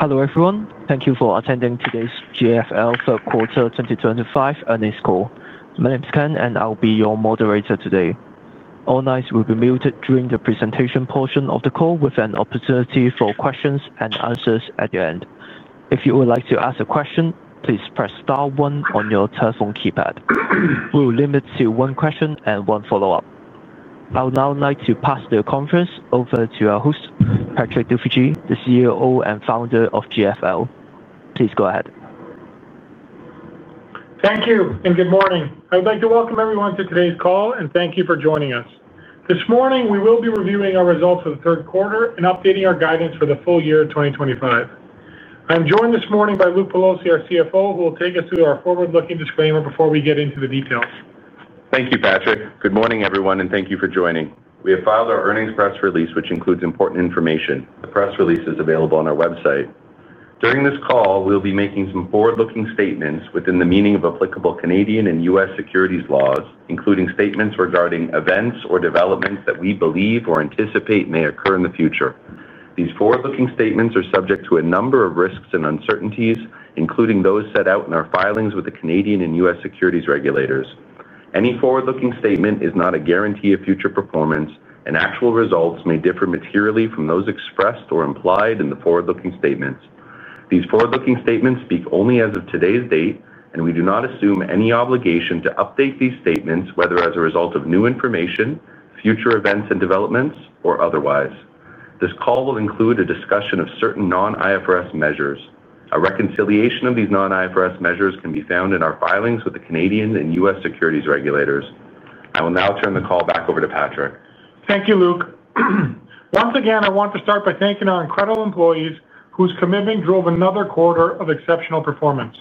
Hello everyone, thank you for attending today's GFL third quarter 2025 earnings call. My name is Ken, and I'll be your moderator today. All lines will be muted during the presentation portion of the call, with an opportunity for questions and answers at the end. If you would like to ask a question, please press star one on your telephone keypad. We will limit to one question and one follow-up. I would now like to pass the conference over to our host, Patrick Dovigi, the CEO and Founder of GFL. Please go ahead. Thank you, and good morning. I would like to welcome everyone to today's call, and thank you for joining us. This morning, we will be reviewing our results for the third quarter and updating our guidance for the full year 2025. I am joined this morning by Luke Pelosi, our CFO, who will take us through our forward-looking disclaimer before we get into the details. Thank you, Patrick. Good morning, everyone, and thank you for joining. We have filed our earnings press release, which includes important information. The press release is available on our website. During this call, we'll be making some forward-looking statements within the meaning of applicable Canadian and U.S. securities laws, including statements regarding events or developments that we believe or anticipate may occur in the future. These forward-looking statements are subject to a number of risks and uncertainties, including those set out in our filings with the Canadian and U.S. securities regulators. Any forward-looking statement is not a guarantee of future performance, and actual results may differ materially from those expressed or implied in the forward-looking statements. These forward-looking statements speak only as of today's date, and we do not assume any obligation to update these statements, whether as a result of new information, future events and developments, or otherwise. This call will include a discussion of certain non-IFRS measures. A reconciliation of these non-IFRS measures can be found in our filings with the Canadian and U.S. securities regulators. I will now turn the call back over to Patrick. Thank you, Luke. Once again, I want to start by thanking our incredible employees, whose commitment drove another quarter of exceptional performance.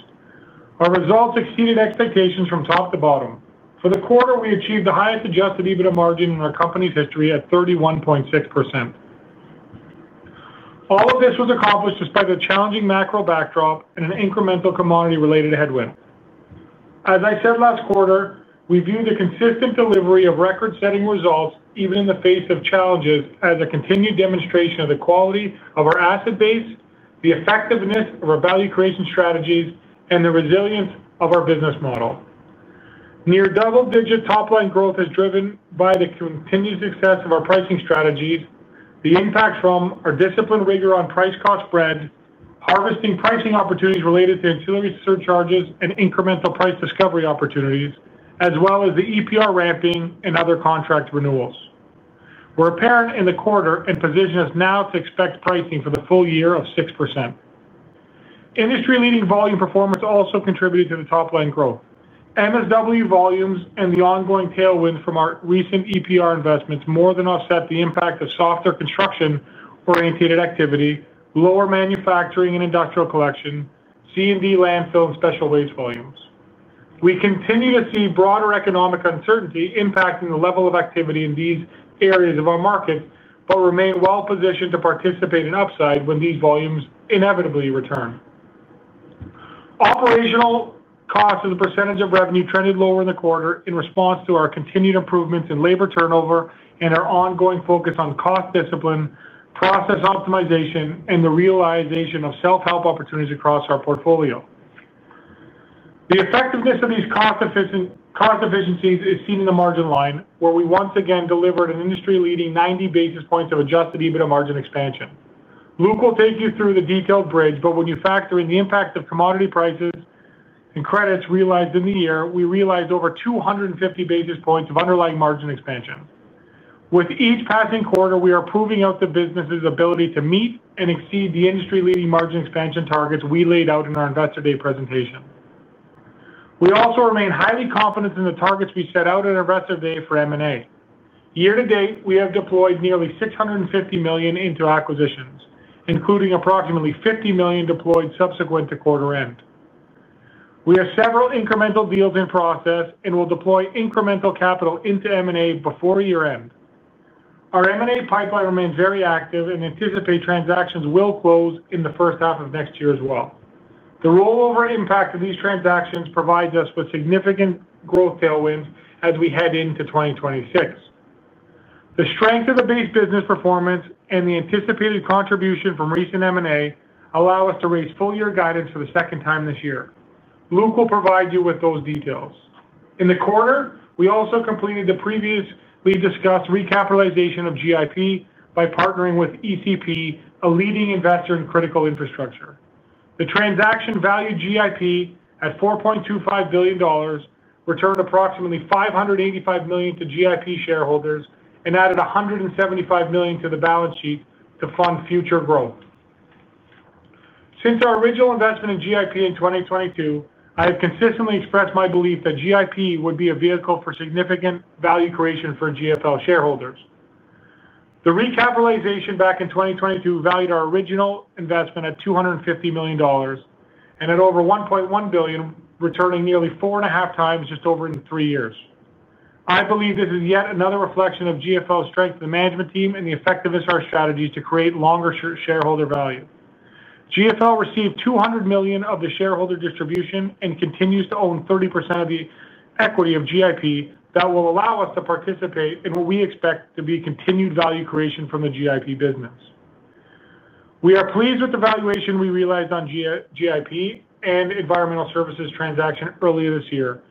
Our results exceeded expectations from top to bottom. For the quarter, we achieved the highest adjusted EBITDA margin in our company's history at 31.6%. All of this was accomplished despite a challenging macro backdrop and an incremental commodity-related headwind. As I said last quarter, we view the consistent delivery of record-setting results, even in the face of challenges, as a continued demonstration of the quality of our asset base, the effectiveness of our value creation strategies, and the resilience of our business model. Near double-digit top-line growth is driven by the continued success of our pricing strategies, the impact from our disciplined rigor on price-cost spread, harvesting pricing opportunities related to ancillary surcharges and incremental price discovery opportunities, as well as the EPR ramping and other contract renewals. We're apparent in the quarter and position us now to expect pricing for the full year of 6%. Industry-leading volume performance also contributed to the top-line growth. MSW volumes and the ongoing tailwinds from our recent EPR investments more than offset the impact of softer construction-oriented activity, lower manufacturing and industrial collection, C&D landfill, and special waste volumes. We continue to see broader economic uncertainty impacting the level of activity in these areas of our market, but remain well-positioned to participate in upside when these volumes inevitably return. Operational cost as a percentage of revenue trended lower in the quarter in response to our continued improvements in labor turnover and our ongoing focus on cost discipline, process optimization, and the realization of self-help opportunities across our portfolio. The effectiveness of these cost efficiencies is seen in the margin line, where we once again delivered an industry-leading 90 basis points of adjusted EBITDA margin expansion. Luke will take you through the detailed bridge, but when you factor in the impact of commodity prices and credits realized in the year, we realized over 250 basis points of underlying margin expansion. With each passing quarter, we are proving out the business's ability to meet and exceed the industry-leading margin expansion targets we laid out in our investor day presentation. We also remain highly confident in the targets we set out in our investor day for M&A. Year to date, we have deployed nearly $650 million into acquisitions, including approximately $50 million deployed subsequent to quarter end. We have several incremental deals in process and will deploy incremental capital into M&A before year-end. Our M&A pipeline remains very active and anticipate transactions will close in the first half of next year as well. The rollover impact of these transactions provides us with significant growth tailwinds as we head into 2026. The strength of the base business performance and the anticipated contribution from recent M&A allow us to raise full-year guidance for the second time this year. Luke will provide you with those details. In the quarter, we also completed the previously discussed recapitalization of GIP by partnering with ECP, a leading investor in critical infrastructure. The transaction valued GIP at $4.25 billion. Returned approximately $585 million to GIP shareholders and added $175 million to the balance sheet to fund future growth. Since our original investment in GIP in 2022, I have consistently expressed my belief that GIP would be a vehicle for significant value creation for GFL shareholders. The recapitalization back in 2022 valued our original investment at $250 million. At over $1.1 billion, returning nearly four and a half times just over three years. I believe this is yet another reflection of GFL's strength in the management team and the effectiveness of our strategies to create longer shareholder value. GFL received $200 million of the shareholder distribution and continues to own 30% of the equity of GIP. That will allow us to participate in what we expect to be continued value creation from the GIP business. We are pleased with the valuation we realized on GIP and environmental services transaction earlier this year,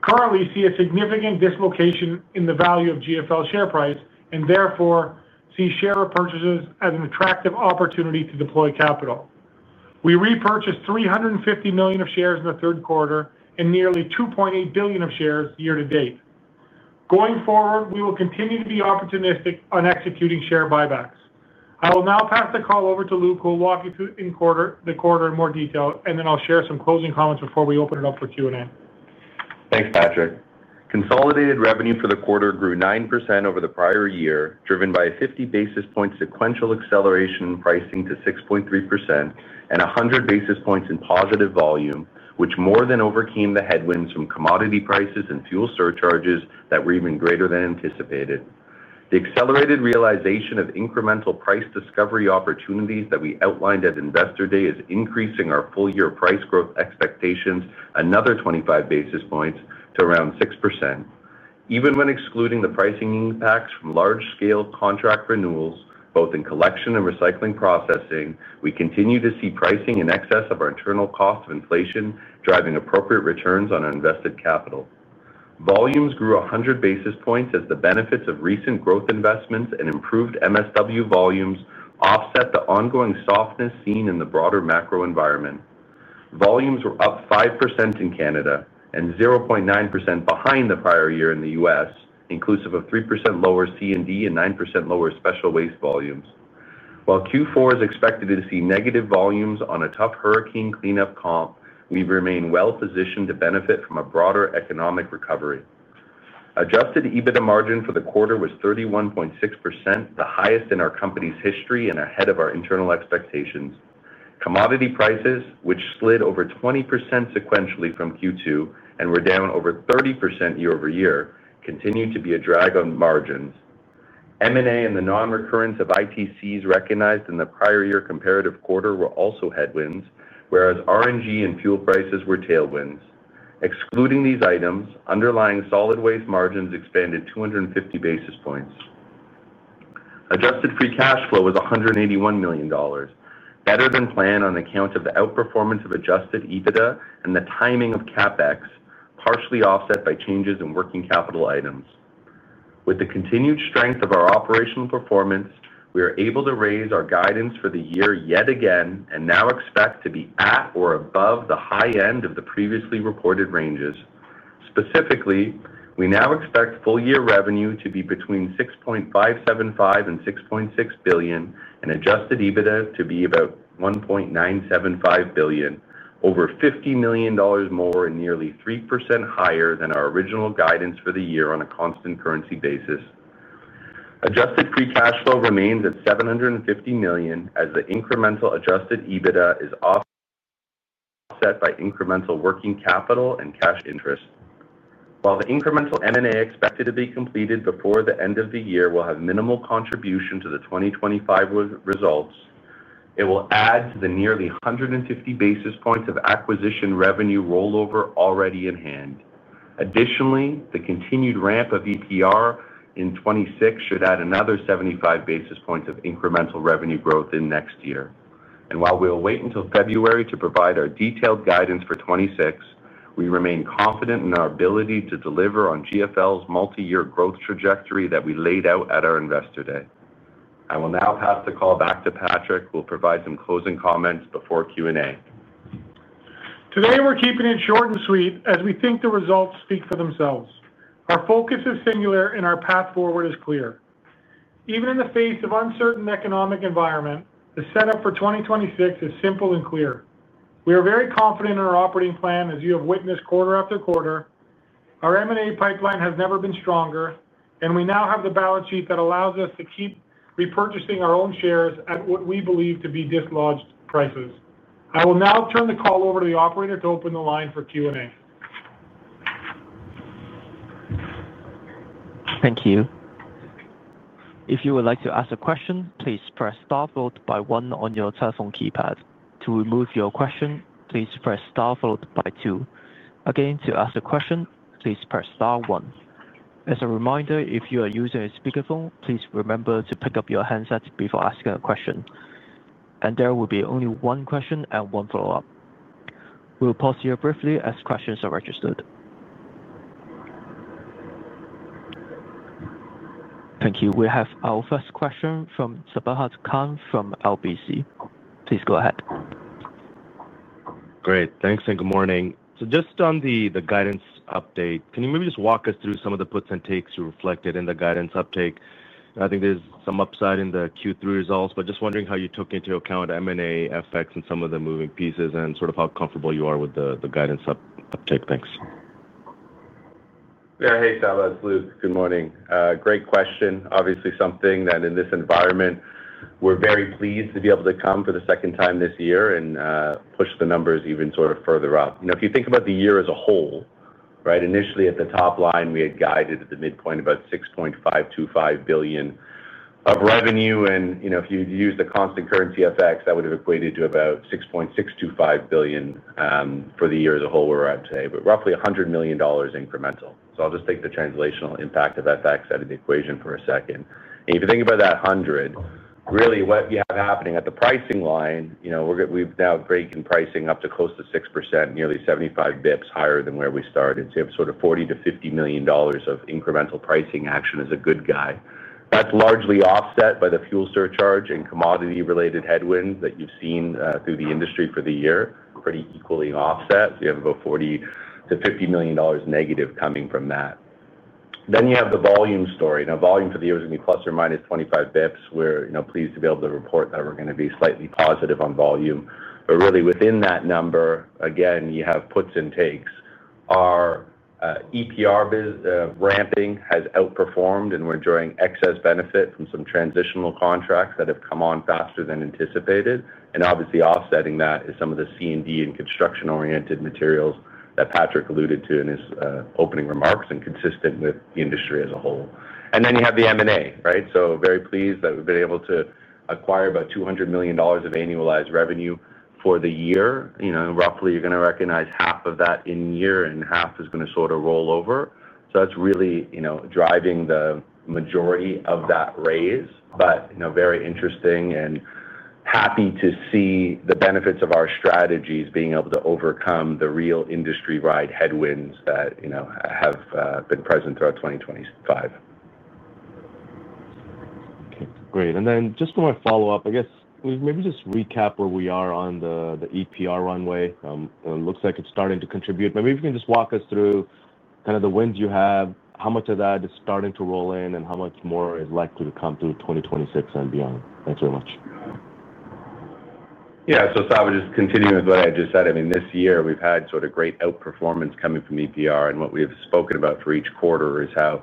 currently see a significant dislocation in the value of GFL's share price and therefore see share purchases as an attractive opportunity to deploy capital. We repurchased $350 million of shares in the third quarter and nearly $2.8 billion of shares year to date. Going forward, we will continue to be opportunistic on executing share buybacks. I will now pass the call over to Luke, who will walk you through the quarter in more detail, and then I'll share some closing comments before we open it up for Q&A. Thanks, Patrick. Consolidated revenue for the quarter grew 9% over the prior year, driven by a 50 basis point sequential acceleration in pricing to 6.3% and 100 basis points in positive volume, which more than overcame the headwinds from commodity prices and fuel surcharges that were even greater than anticipated. The accelerated realization of incremental price discovery opportunities that we outlined at investor day is increasing our full-year price growth expectations another 25 basis points to around 6%. Even when excluding the pricing impacts from large-scale contract renewals, both in collection and recycling processing, we continue to see pricing in excess of our internal cost of inflation, driving appropriate returns on our invested capital. Volumes grew 100 basis points as the benefits of recent growth investments and improved MSW volumes offset the ongoing softness seen in the broader macro environment. Volumes were up 5% in Canada and 0.9% behind the prior year in the U.S., inclusive of 3% lower C&D and 9% lower special waste volumes. While Q4 is expected to see negative volumes on a tough hurricane cleanup comp, we remain well-positioned to benefit from a broader economic recovery. Adjusted EBITDA margin for the quarter was 31.6%, the highest in our company's history and ahead of our internal expectations. Commodity prices, which slid over 20% sequentially from Q2 and were down over 30% year-over-year, continue to be a drag on margins. M&A and the non-recurrence of ITCs recognized in the prior year comparative quarter were also headwinds, whereas RNG and fuel prices were tailwinds. Excluding these items, underlying solid waste margins expanded 250 basis points. Adjusted free cash flow was $181 million, better than planned on account of the outperformance of adjusted EBITDA and the timing of CapEx, partially offset by changes in working capital items. With the continued strength of our operational performance, we are able to raise our guidance for the year yet again and now expect to be at or above the high end of the previously reported ranges. Specifically, we now expect full-year revenue to be between $6.575 billion and $6.6 billion and adjusted EBITDA to be about $1.975 billion, over $50 million more and nearly 3% higher than our original guidance for the year on a constant currency basis. Adjusted free cash flow remains at $750 million as the incremental adjusted EBITDA is offset by incremental working capital and cash interest. While the incremental M&A expected to be completed before the end of the year will have minimal contribution to the 2025 results, it will add to the nearly 150 basis points of acquisition revenue rollover already in hand. Additionally, the continued ramp of EPR in 2026 should add another 75 basis points of incremental revenue growth in next year. While we will wait until February to provide our detailed guidance for 2026, we remain confident in our ability to deliver on GFL's multi-year growth trajectory that we laid out at our investor day. I will now pass the call back to Patrick, who will provide some closing comments before Q&A. Today, we're keeping it short and sweet as we think the results speak for themselves. Our focus is singular, and our path forward is clear. Even in the face of an uncertain economic environment, the setup for 2026 is simple and clear. We are very confident in our operating plan, as you have witnessed quarter after quarter. Our M&A pipeline has never been stronger, and we now have the balance sheet that allows us to keep repurchasing our own shares at what we believe to be dislodged prices. I will now turn the call over to the operator to open the line for Q&A. Thank you. If you would like to ask a question, please press star one on your telephone keypad. To remove your question, please press star two. Again, to ask a question, please press star one. As a reminder, if you are using a speakerphone, please remember to pick up your handset before asking a question. There will be only one question and one follow-up. We'll pause here briefly as questions are registered. Thank you. We have our first question from Sabahat Khan from RBC. Please go ahead. Great. Thanks, and good morning. Just on the guidance update, can you maybe just walk us through some of the puts and takes you reflected in the guidance uptake? I think there's some upside in the Q3 results, but just wondering how you took into account M&A effects and some of the moving pieces and sort of how comfortable you are with the guidance uptake. Thanks. Yeah, hey, Sabahat. It's Luke. Good morning. Great question. Obviously, something that in this environment, we're very pleased to be able to come for the second time this year and push the numbers even further up. If you think about the year as a whole, initially, at the top line, we had guided at the midpoint about $6.525 billion of revenue. And if you'd used the constant currency effects, that would have equated to about $6.625 billion for the year as a whole where we're at today, but roughly $100 million incremental. I'll just take the translational impact of effects out of the equation for a second. If you think about that $100 million, really, what you have happening at the pricing line, we've now breaking pricing up to close to 6%, nearly 75 basis points higher than where we started. You have $40 million-$50 million of incremental pricing action as a good guy. That is largely offset by the fuel surcharge and commodity-related headwinds that you have seen through the industry for the year, pretty equally offset. You have about $40 million-$50 million negative coming from that. You have the volume story. Now, volume for the year was going to be ±25 bps. We are pleased to be able to report that we are going to be slightly positive on volume. Really, within that number, again, you have puts and takes. Our EPR ramping has outperformed, and we are enjoying excess benefit from some transitional contracts that have come on faster than anticipated. Obviously, offsetting that is some of the C&D and construction-oriented materials that Patrick alluded to in his opening remarks and consistent with the industry as a whole. You have the M&A. Very pleased that we've been able to acquire about $200 million of annualized revenue for the year. Roughly, you're going to recognize half of that in year and half is going to rollover. That is really driving the majority of that raise. Very interesting and happy to see the benefits of our strategies being able to overcome the real industry-wide headwinds that have been present throughout 2025. Okay. Great. For my follow-up, I guess we have maybe just recapped where we are on the EPR runway. It looks like it is starting to contribute. Maybe if you can just walk us through kind of the wins you have, how much of that is starting to roll in, and how much more is likely to come through 2026 and beyond. Thanks very much. Yeah. Sabahat, just continuing with what I just said, I mean, this year, we've had great outperformance coming from EPR. What we have spoken about for each quarter is how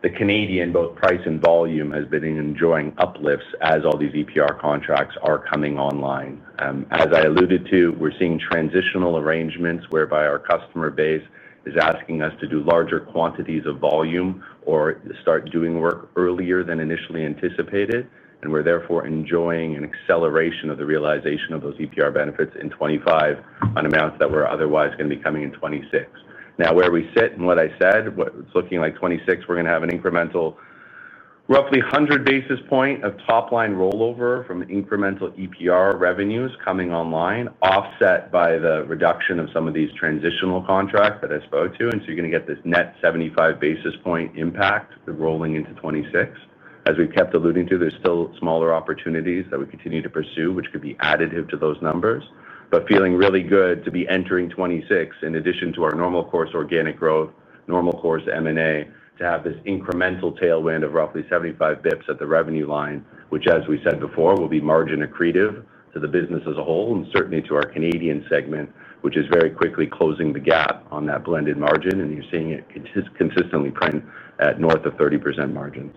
the Canadian, both price and volume, has been enjoying uplifts as all these EPR contracts are coming online. As I alluded to, we're seeing transitional arrangements whereby our customer base is asking us to do larger quantities of volume or start doing work earlier than initially anticipated. We're, therefore, enjoying an acceleration of the realization of those EPR benefits in 2025 on amounts that were otherwise going to be coming in 2026. Now, where we sit and what I said, it's looking like 2026, we're going to have an incremental, roughly 100 basis points of top-line rollover from incremental EPR revenues coming online, offset by the reduction of some of these transitional contracts that I spoke to. You are going to get this net 75 basis point impact rolling into 2026. As we have kept alluding to, there are still smaller opportunities that we continue to pursue, which could be additive to those numbers. Feeling really good to be entering 2026, in addition to our normal course organic growth, normal course M&A, to have this incremental tailwind of roughly 75 basis points at the revenue line, which, as we said before, will be margin accretive to the business as a whole and certainly to our Canadian segment, which is very quickly closing the gap on that blended margin. You are seeing it consistently print at north of 30% margins.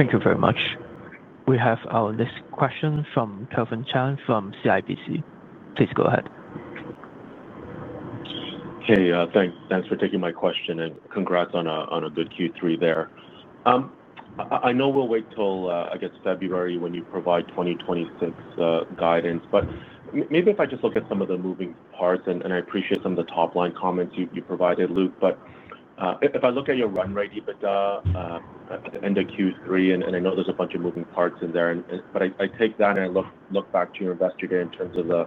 Thank you very much. We have our next question from Kevin Chiang from CIBC. Please go ahead. Hey, thanks for taking my question. Congrats on a good Q3 there. I know we'll wait till, I guess, February when you provide 2026 guidance. Maybe if I just look at some of the moving parts, and I appreciate some of the top-line comments you provided, Luke, but if I look at your runway EBITDA at the end of Q3, and I know there's a bunch of moving parts in there, but I take that and I look back to your investor day in terms of the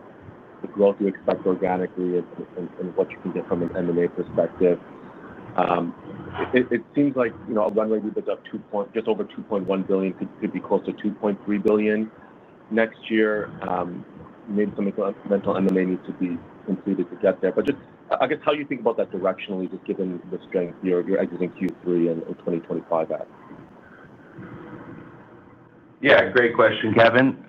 growth you expect organically and what you can get from an M&A perspective. It seems like a runway EBITDA of just over $2.1 billion could be close to $2.3 billion next year. Maybe some incremental M&A needs to be completed to get there. Just, I guess, how do you think about that directionally, just given the strength you're exiting Q3 and 2025 at? Yeah, great question, Kevin.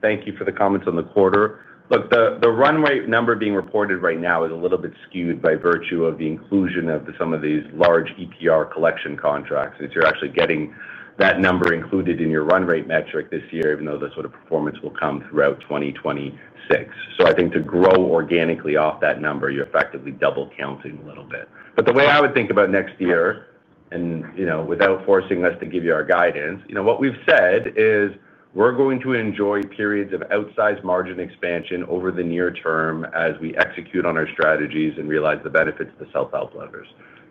Thank you for the comments on the quarter. Look, the run rate number being reported right now is a little bit skewed by virtue of the inclusion of some of these large EPR collection contracts. You're actually getting that number included in your run rate metric this year, even though the performance will come throughout 2026. I think to grow organically off that number, you're effectively double counting a little bit. The way I would think about next year, and without forcing us to give you our guidance, what we've said is we're going to enjoy periods of outsized margin expansion over the near term as we execute on our strategies and realize the benefits to self-help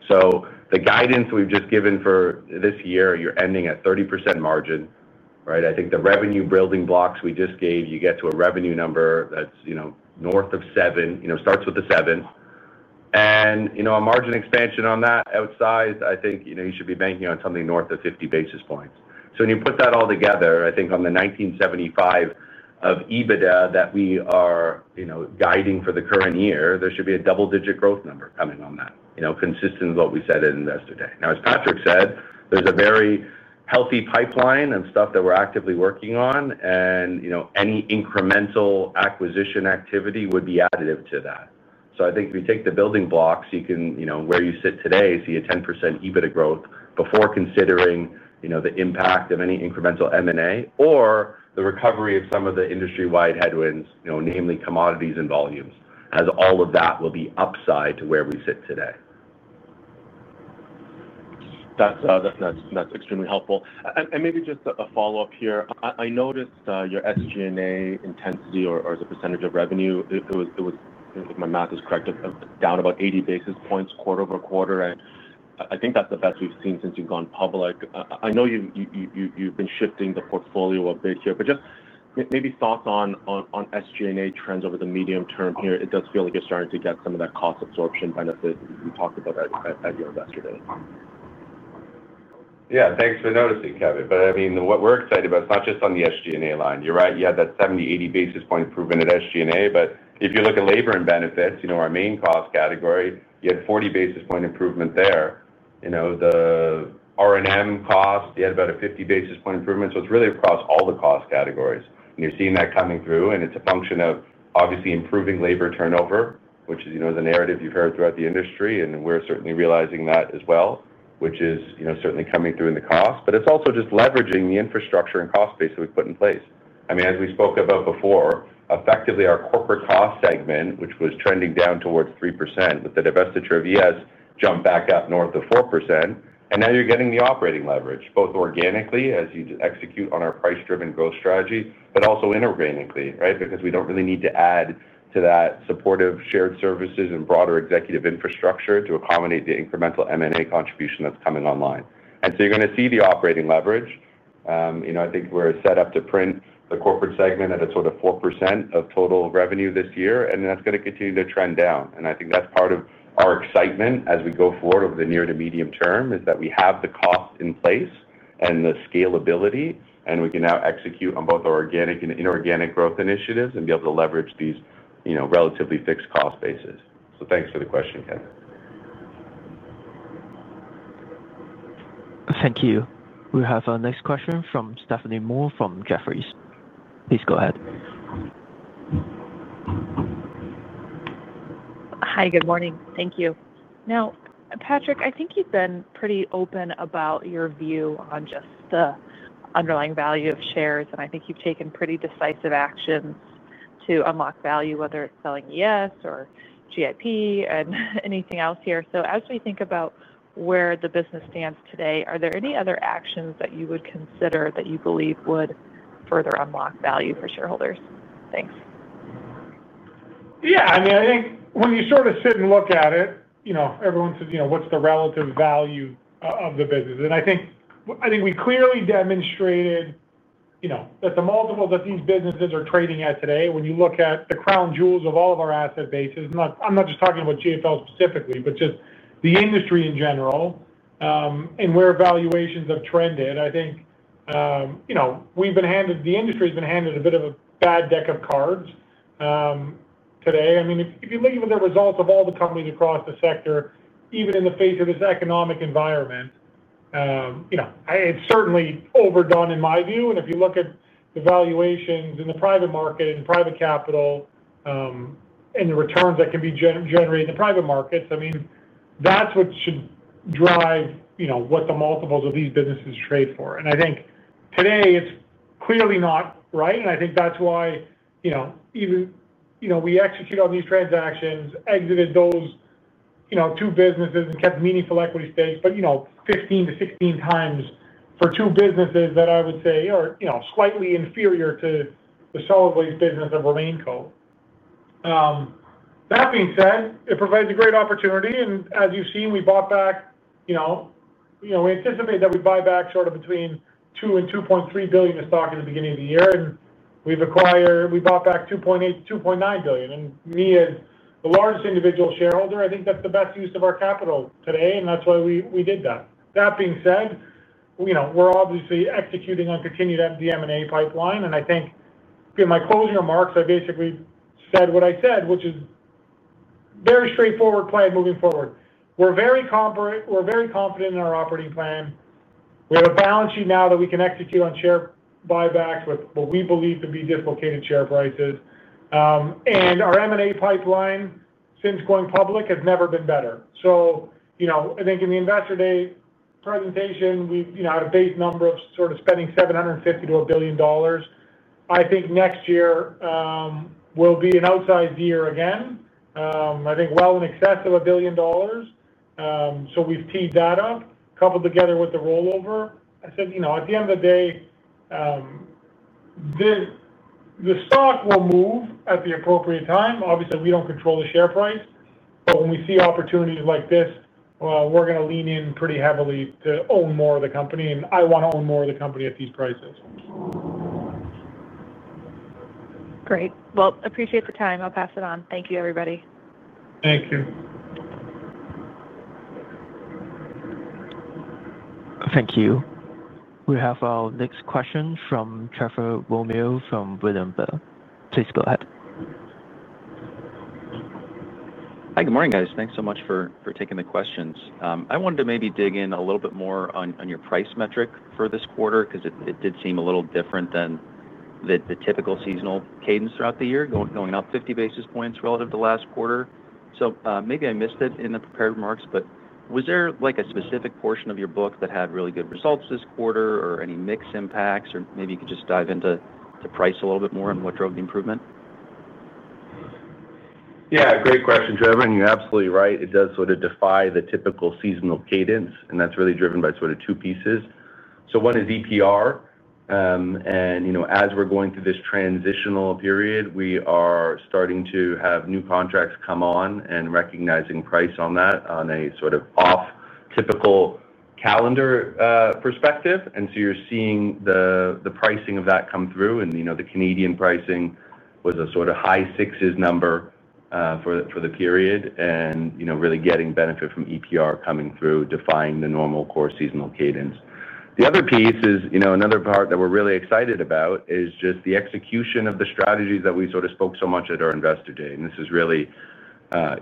levers. The guidance we've just given for this year, you're ending at 30% margin. I think the revenue building blocks we just gave, you get to a revenue number that's north of seven, starts with a seven. A margin expansion on that outsized, I think you should be banking on something north of 50 basis points. When you put that all together, I think on the $1,975 of EBITDA that we are guiding for the current year, there should be a double-digit growth number coming on that, consistent with what we said at investor day. As Patrick said, there's a very healthy pipeline and stuff that we're actively working on. Any incremental acquisition activity would be additive to that. I think if you take the building blocks, where you sit today, see a 10% EBITDA growth before considering the impact of any incremental M&A or the recovery of some of the industry-wide headwinds, namely commodities and volumes, as all of that will be upside to where we sit today. That's extremely helpful. Maybe just a follow-up here. I noticed your SG&A intensity or the percentage of revenue, if my math is correct, down about 80 basis points quarter over quarter. I think that's the best we've seen since you've gone public. I know you've been shifting the portfolio a bit here, but just maybe thoughts on SG&A trends over the medium term here. It does feel like you're starting to get some of that cost absorption benefit we talked about at your investor day. Yeah. Thanks for noticing, Kevin. I mean, what we're excited about, it's not just on the SG&A line. You're right. You had that 70-80 basis point improvement at SG&A. If you look at labor and benefits, our main cost category, you had 40 basis point improvement there. The R&M cost, you had about a 50 basis point improvement. It is really across all the cost categories. You're seeing that coming through. It is a function of, obviously, improving labor turnover, which is the narrative you've heard throughout the industry. We're certainly realizing that as well, which is certainly coming through in the cost. It is also just leveraging the infrastructure and cost base that we've put in place. I mean, as we spoke about before, effectively, our corporate cost segment, which was trending down towards 3%, with the divestiture of ES, jumped back up north of 4%. Now you're getting the operating leverage, both organically, as you execute on our price-driven growth strategy, but also inorganically, because we do not really need to add to that supportive shared services and broader executive infrastructure to accommodate the incremental M&A contribution that is coming online. You are going to see the operating leverage. I think we are set up to print the corporate segment at 4% of total revenue this year. That is going to continue to trend down. I think that's part of our excitement as we go forward over the near to medium term is that we have the cost in place and the scalability, and we can now execute on both organic and inorganic growth initiatives and be able to leverage these relatively fixed cost bases. Thanks for the question, Kevin. Thank you. We have our next question from Stephanie Moore from Jefferies. Please go ahead. Hi, good morning. Thank you. Now, Patrick, I think you've been pretty open about your view on just the underlying value of shares. I think you've taken pretty decisive actions to unlock value, whether it's selling ES or GIP and anything else here. As we think about where the business stands today, are there any other actions that you would consider that you believe would further unlock value for shareholders? Thanks. Yeah. I mean, I think when you sit and look at it, everyone says, "What's the relative value of the business?" I think we clearly demonstrated that the multiple that these businesses are trading at today, when you look at the crown jewels of all of our asset bases, I'm not just talking about GFL specifically, but just the industry in general, and where valuations have trended, I think. We've been handed, the industry has been handed a bit of a bad deck of cards today. I mean, if you look at the results of all the companies across the sector, even in the face of this economic environment, it's certainly overdone, in my view. If you look at the valuations in the private market and private capital. The returns that can be generated in the private markets, I mean, that's what should drive what the multiples of these businesses trade for. I think today, it's clearly not. I think that's why. Even we executed on these transactions, exited those two businesses, and kept meaningful equity stakes, but 15x-16x for two businesses that I would say are slightly inferior to the solid waste business of Remain Co. That being said, it provides a great opportunity. As you've seen, we bought back. We anticipate that we'd buy back between $2 billion and $2.3 billion of stock at the beginning of the year. We bought back $2.8 billion-$2.9 billion. Me, as the largest individual shareholder, I think that's the best use of our capital today. That's why we did that. That being said. We're obviously executing on continued M&A pipeline. I think in my closing remarks, I basically said what I said, which is a very straightforward plan moving forward. We're very confident in our operating plan. We have a balance sheet now that we can execute on share buybacks with what we believe to be dislocated share prices. Our M&A pipeline, since going public, has never been better. I think in the investor day presentation, we had a base number of spending $750 million-$1 billion. I think next year will be an outsized year again. I think well in excess of $1 billion. We have teed that up, coupled together with the rollover. I said, at the end of the day, the stock will move at the appropriate time. Obviously, we do not control the share price. When we see opportunities like this, we are going to lean in pretty heavily to own more of the company. I want to own more of the company at these prices. Great. I appreciate the time. I'll pass it on. Thank you, everybody. Thank you. Thank you. We have our next question from Trevor Romeo from William Blair. Please go ahead. Hi, good morning, guys. Thanks so much for taking the questions. I wanted to maybe dig in a little bit more on your price metric for this quarter because it did seem a little different than the typical seasonal cadence throughout the year, going up 50 basis points relative to last quarter. Maybe I missed it in the prepared remarks, but was there a specific portion of your book that had really good results this quarter or any mixed impacts? Or maybe you could just dive into the price a little bit more and what drove the improvement? Yeah, great question, Trevor. You're absolutely right. It does sort of defy the typical seasonal cadence. That's really driven by sort of two pieces. One is EPR. As we're going through this transitional period, we are starting to have new contracts come on and recognizing price on that on a sort of off-typical calendar perspective. You're seeing the pricing of that come through. The Canadian pricing was a high sixes number for the period and really getting benefit from EPR coming through, defying the normal core seasonal cadence. The other piece is another part that we're really excited about, just the execution of the strategies that we spoke so much at our investor day. This is really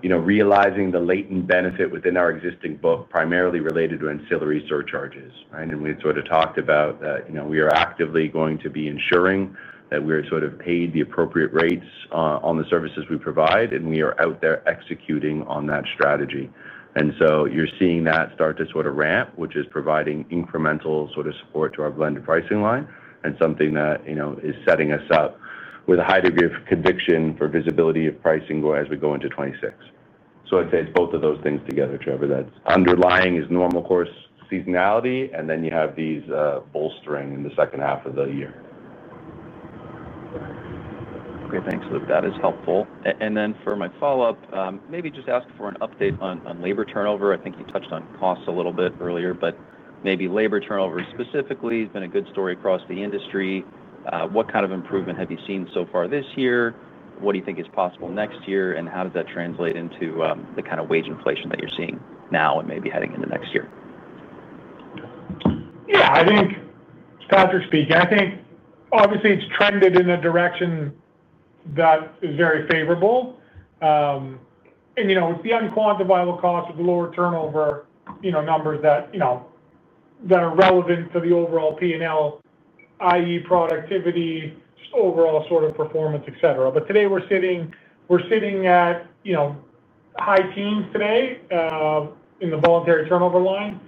realizing the latent benefit within our existing book, primarily related to ancillary surcharges. We talked about that we are actively going to be ensuring that we're paid the appropriate rates on the services we provide, and we are out there executing on that strategy. You are seeing that start to ramp, which is providing incremental support to our blended pricing line and something that is setting us up with a high degree of conviction for visibility of pricing as we go into 2026. I would say it is both of those things together, Trevor. That underlying is normal course seasonality, and then you have these bolstering in the second half of the year. Great. Thanks, Luke. That is helpful. For my follow-up, maybe just ask for an update on labor turnover. I think you touched on costs a little bit earlier, but maybe labor turnover specifically has been a good story across the industry. What kind of improvement have you seen so far this year? What do you think is possible next year? How does that translate into the kind of wage inflation that you're seeing now and maybe heading into next year? Yeah. I think. Patrick speaking, I think, obviously, it's trended in a direction that is very favorable. And it's the unquantifiable cost of the lower turnover numbers that are relevant to the overall P&L, i.e., productivity, overall performance, etc. But today, we're sitting at high teens today in the voluntary turnover line,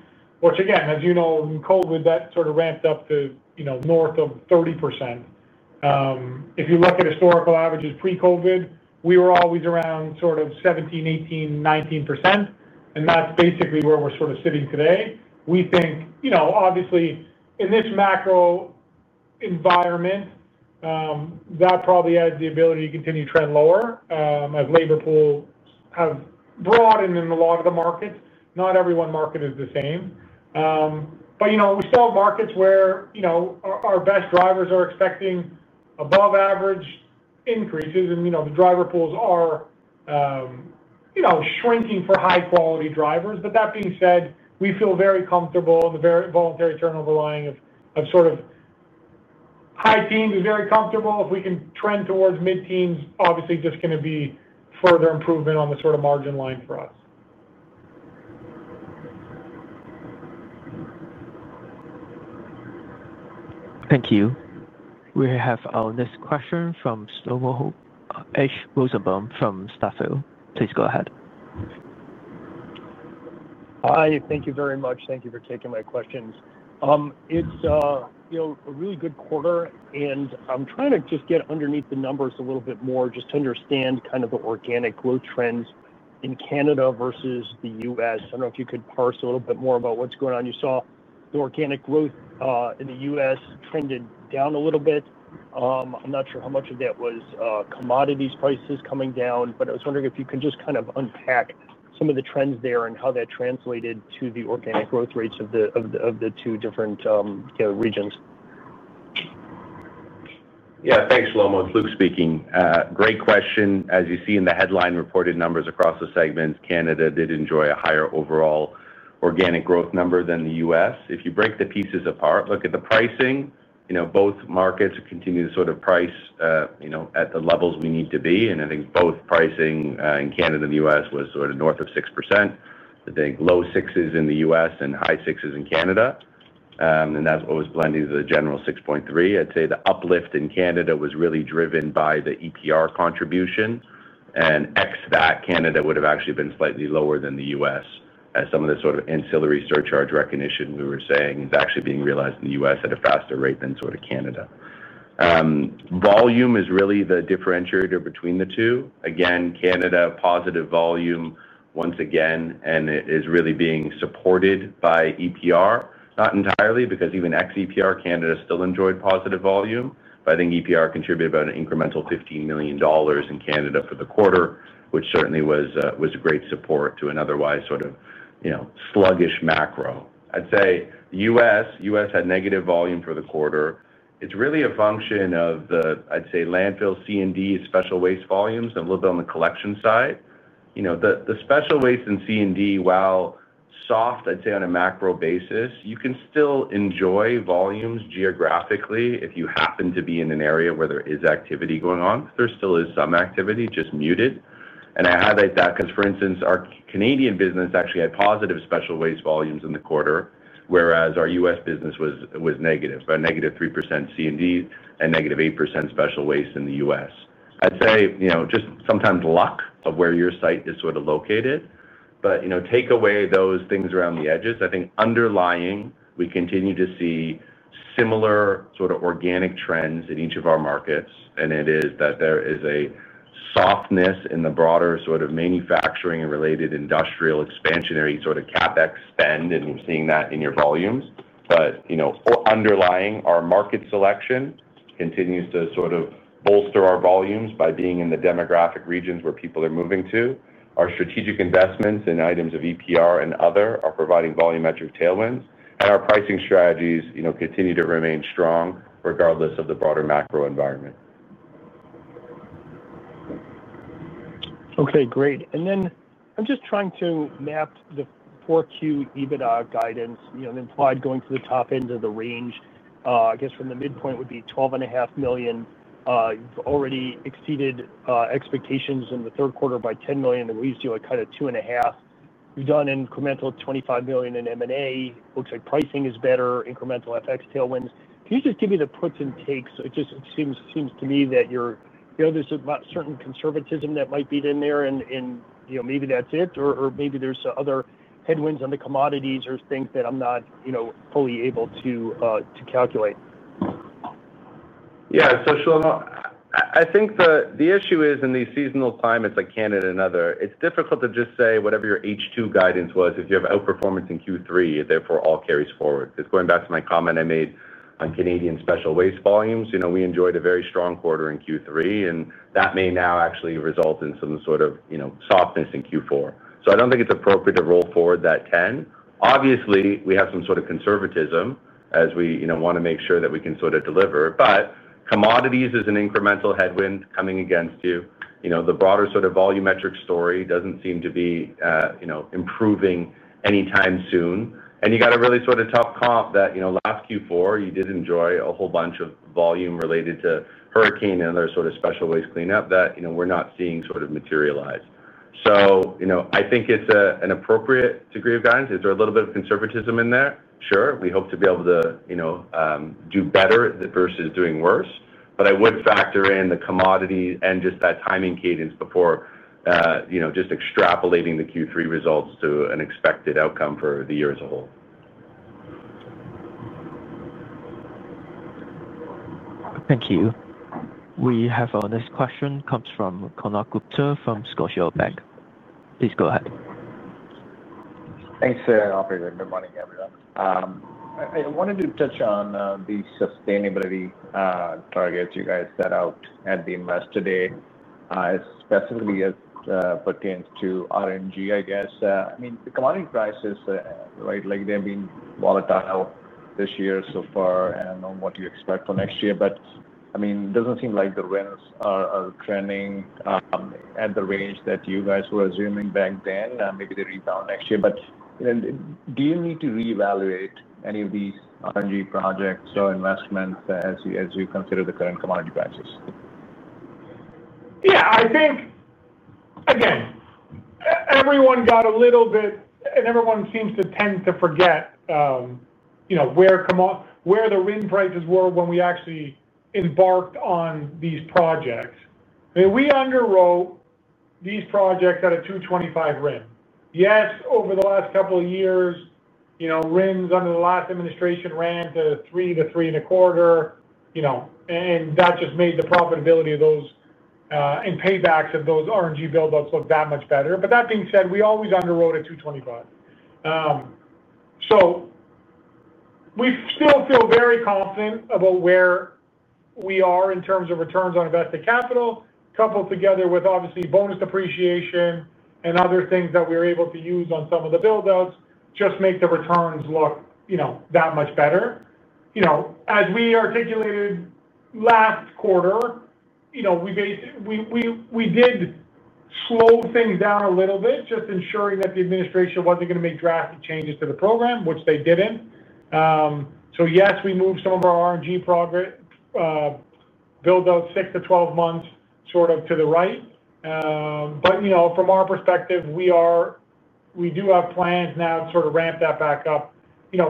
which, again, as you know, in COVID, that ramped up to north of 30%. If you look at historical averages pre-COVID, we were always around 17%-19%. And that's basically where we're sitting today. We think, obviously, in this macro environment, that probably adds the ability to continue to trend lower. I have labor pools broadened in a lot of the markets. Not everyone marketed the same. But we still have markets where our best drivers are expecting above-average increases. And the driver pools are shrinking for high-quality drivers. That being said, we feel very comfortable in the voluntary turnover line of high teens is very comfortable. If we can trend towards mid-teens, obviously, just going to be further improvement on the margin line for us. Thank you. We have our next question from Shlomo Rosenbaum from Stifel. Please go ahead. Hi. Thank you very much. Thank you for taking my questions. It's a really good quarter. I'm trying to just get underneath the numbers a little bit more just to understand the organic growth trends in Canada versus the U.S. I don't know if you could parse a little bit more about what's going on. You saw the organic growth in the U.S. trended down a little bit. I'm not sure how much of that was commodities prices coming down, but I was wondering if you could just unpack some of the trends there and how that translated to the organic growth rates of the two different regions. Yeah. Thanks, Shlomo. Luke speaking. Great question. As you see in the headline reported numbers across the segments, Canada did enjoy a higher overall organic growth number than the U.S. If you break the pieces apart, look at the pricing, both markets continue to price at the levels we need to be. I think both pricing in Canada and the U.S. was north of 6%. I think low sixes in the U.S. and high sixes in Canada. That was blended to the general 6.3%. I'd say the uplift in Canada was really driven by the EPR contribution. Ex that, Canada would have actually been slightly lower than the U.S., as some of the ancillary surcharge recognition we were saying is actually being realized in the U.S. at a faster rate than Canada. Volume is really the differentiator between the two. Again, Canada positive volume once again, and it is really being supported by EPR. Not entirely, because even ex EPR, Canada still enjoyed positive volume. I think EPR contributed about an incremental $15 million in Canada for the quarter, which certainly was a great support to an otherwise sluggish macro. I'd say U.S. had negative volume for the quarter. It's really a function of the, I'd say, landfill, C&D, special waste volumes, and a little bit on the collection side. The special waste and C&D, while soft, I'd say, on a macro basis, you can still enjoy volumes geographically if you happen to be in an area where there is activity going on. There still is some activity, just muted. I highlight that because, for instance, our Canadian business actually had positive special waste volumes in the quarter, whereas our U.S. business was negative, about -3% C&D and -8% special waste in the U.S. I'd say just sometimes luck of where your site is located. Take away those things around the edges. I think underlying, we continue to see similar organic trends in each of our markets. There is a softness in the broader manufacturing-related industrial expansionary CapEx spend. You're seeing that in your volumes. Underlying, our market selection continues to bolster our volumes by being in the demographic regions where people are moving to. Our strategic investments in items of EPR and other are providing volumetric tailwinds. Our pricing strategies continue to remain strong regardless of the broader macro environment. Okay. Great. Then I am just trying to map the Q4 EBITDA guidance, the implied going to the top end of the range. I guess from the midpoint would be $12.5 million. You have already exceeded expectations in the third quarter by $10 million. The wage deal at kind of $2.5 million. You have done incremental $25 million in M&A. Looks like pricing is better. Incremental FX tailwinds. Can you just give me the puts and takes? It just seems to me that there is a certain conservatism that might be in there. Maybe that is it. Or maybe there are other headwinds on the commodities or things that I am not fully able to calculate. Yeah. I think the issue is in these seasonal climates, like Canada and other, it's difficult to just say whatever your H2 guidance was, if you have outperformance in Q3, therefore all carries forward. Because going back to my comment I made on Canadian special waste volumes, we enjoyed a very strong quarter in Q3. That may now actually result in some sort of softness in Q4. I don't think it's appropriate to roll forward that 10. Obviously, we have some conservatism as we want to make sure that we can deliver. Commodities is an incremental headwind coming against you. The broader volumetric story doesn't seem to be improving anytime soon. You got a really tough comp that last Q4, you did enjoy a whole bunch of volume related to hurricane and other special waste cleanup that we're not seeing materialize. I think it's an appropriate degree of guidance. Is there a little bit of conservatism in there? Sure. We hope to be able to do better versus doing worse. I would factor in the commodity and just that timing cadence before just extrapolating the Q3 results to an expected outcome for the year as a whole. Thank you. We have our next question. Comes from Konark Gupta from Scotiabank. Please go ahead. Thanks, Trevor. Good morning, everyone. I wanted to touch on the sustainability targets you guys set out at the investor day. Specifically, as pertains to RNG, I guess. The commodity prices, they've been volatile this year so far. What do you expect for next year? It doesn't seem like the winners are trending at the range that you guys were assuming back then. Maybe they rebound next year. Do you need to reevaluate any of these RNG projects or investments as you consider the current commodity prices? Yeah. I think. Again. Everyone got a little bit and everyone seems to tend to forget where the RIN prices were when we actually embarked on these projects. We underwrote these projects at a $2.25 RIN. Yes, over the last couple of years, RINs under the last administration ran to $3-$3.25. That just made the profitability of those and paybacks of those RNG buildups look that much better. That being said, we always underwrote at $2.25. We still feel very confident about where we are in terms of returns on invested capital, coupled together with, obviously, bonus depreciation and other things that we were able to use on some of the buildups just make the returns look that much better. As we articulated last quarter, we did. Slow things down a little bit, just ensuring that the administration wasn't going to make drastic changes to the program, which they didn't. Yes, we moved some of our RNG buildup six to twelve months to the right. From our perspective, we do have plans now to ramp that back up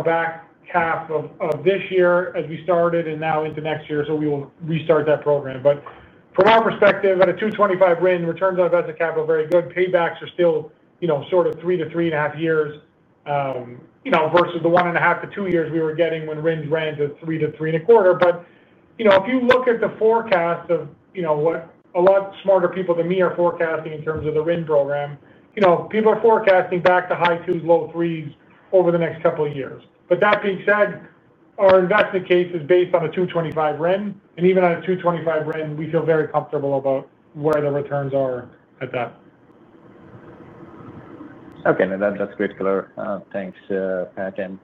back half of this year as we started and now into next year. We will restart that program. From our perspective, at a $2.25 RIN, returns on invested capital are very good. Paybacks are still three to three and a half years versus the one and a half to two years we were getting when RINs ran to three to $3.25. If you look at the forecast of what a lot smarter people than me are forecasting in terms of the RIN program, people are forecasting back to high twos, low threes over the next couple of years. That being said, our investment case is based on a $2.25 RIN. Even on a $2.25 RIN, we feel very comfortable about where the returns are at that. Okay. That's great, caller. Thanks, Pat. And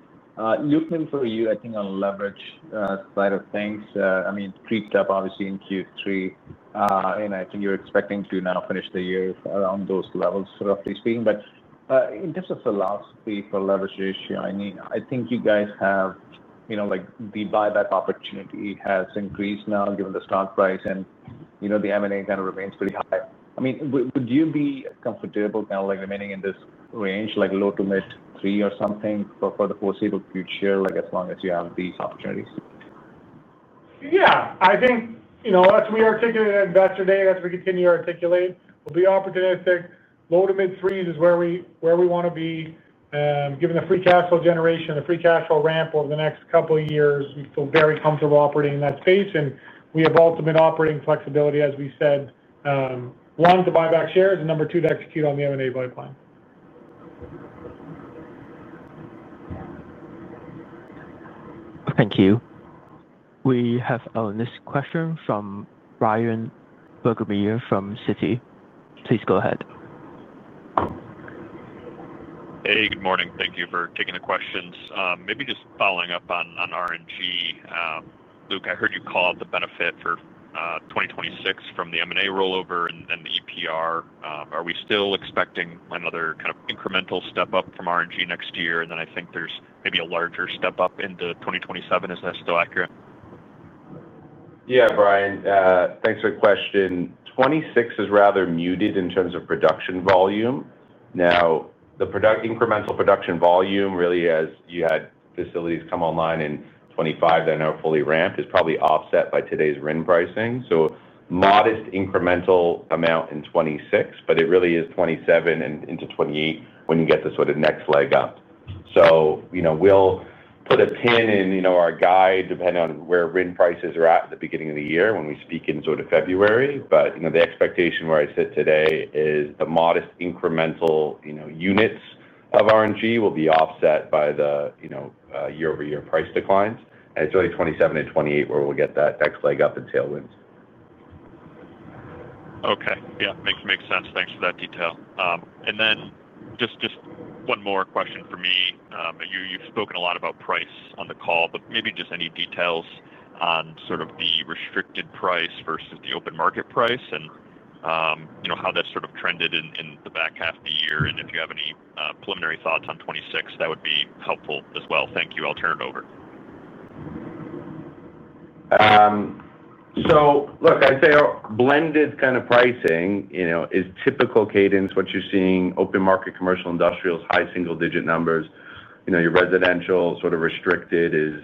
Luke, for you, I think on leverage side of things, pre-step, obviously, in Q3. I think you're expecting to now finish the year around those levels, roughly speaking. In terms of philosophy for leverage ratio, I think you guys have. The buyback opportunity has increased now, given the stock price. The M&A kind of remains pretty high. Would you be comfortable remaining in this range, low to mid-three or something for the foreseeable future, as long as you have these opportunities? Yeah. I think as we articulated at investor day, as we continue to articulate, we'll be opportunistic. Low to mid-threes is where we want to be. Given the free cash flow generation, the free cash flow ramp over the next couple of years, we feel very comfortable operating in that space. We have ultimate operating flexibility, as we said. One, to buy back shares, and number two, to execute on the M&A pipeline. Thank you. We have our next question from Bryan Burgmeier from Citi. Please go ahead. Hey, good morning. Thank you for taking the questions. Maybe just following up on RNG. Luke, I heard you call out the benefit for 2026 from the M&A rollover and the EPR. Are we still expecting another incremental step up from RNG next year? I think there's maybe a larger step up into 2027. Is that still accurate? Yeah, Bryan. Thanks for the question. Twenty-six is rather muted in terms of production volume. Now, the incremental production volume, really, as you had facilities come online in twenty-five that are now fully ramped, is probably offset by today's RIN pricing. So modest incremental amount in twenty-six, but it really is twenty-seven and into twenty-eight when you get the next leg up. We'll put a pin in our guide depending on where RIN prices are at at the beginning of the year when we speak in February. The expectation where I sit today is the modest incremental units of RNG will be offset by the year-over-year price declines. It is really 27 and 28 where we'll get that next leg up in tailwinds. Okay. Yeah. Makes sense. Thanks for that detail. And then just one more question for me. You've spoken a lot about price on the call, but maybe just any details on the restricted price versus the open market price and how that's trended in the back half of the year. And if you have any preliminary thoughts on 2026, that would be helpful as well. Thank you. I'll turn it over. Look, I'd say blended pricing is typical cadence, what you're seeing: open market, commercial, industrials, high single-digit numbers. Your residential restricted is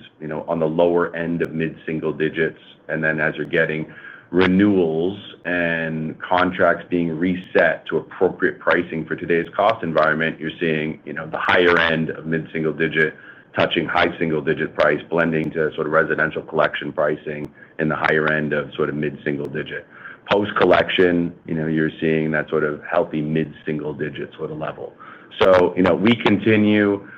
on the lower end of mid-single digits. As you're getting renewals and contracts being reset to appropriate pricing for today's cost environment, you're seeing the higher end of mid-single digit touching high single-digit price, blending to residential collection pricing in the higher end of mid-single digit. Post-collection, you're seeing that healthy mid-single digit level. We continue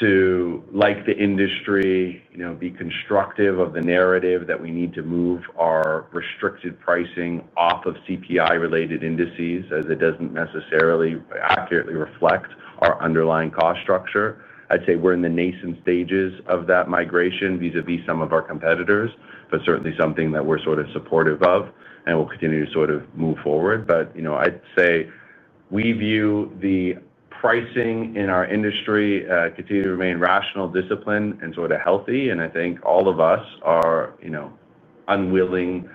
to, like the industry, be constructive of the narrative that we need to move our restricted pricing off of CPI-related indices as it doesn't necessarily accurately reflect our underlying cost structure. I'd say we're in the nascent stages of that migration vis-à-vis some of our competitors, but certainly something that we're supportive of and will continue to move forward. I'd say. We view the pricing in our industry continue to remain rational, disciplined, and healthy. I think all of us are unwilling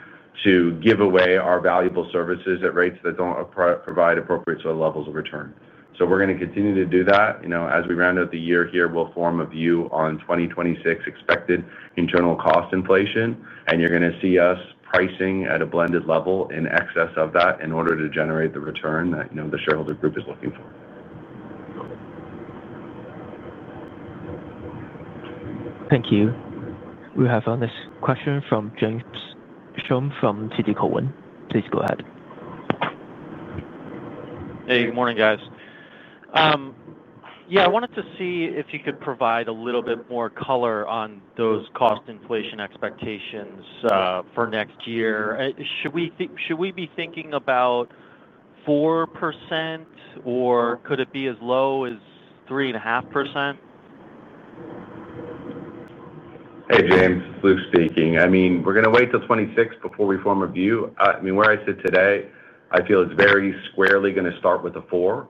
to give away our valuable services at rates that do not provide appropriate levels of return. We are going to continue to do that. As we round out the year here, we will form a view on 2026 expected internal cost inflation. You are going to see us pricing at a blended level in excess of that in order to generate the return that the shareholder group is looking for. Thank you. We have our next question from James Schumm from TD Cowen. Please go ahead. Hey, good morning, guys. Yeah, I wanted to see if you could provide a little bit more color on those cost inflation expectations for next year. Should we be thinking about 4%, or could it be as low as 3.5%? Hey, James, Luke speaking. We're going to wait till 2026 before we form a view. Where I sit today, I feel it's very squarely going to start with a 4%.